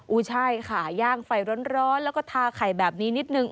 ใช่ค่ะย่างไฟร้อนแล้วก็ทาไข่แบบนี้นิดนึง